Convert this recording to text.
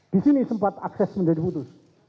di sini sempat akses menjadi putus